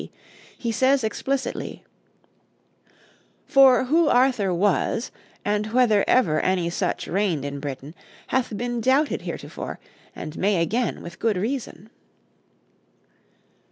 D.) he says explicitly: "For who Arthur was, and whether ever any such reign'd in Britan, hath bin doubted heertofore, and may again with good reason."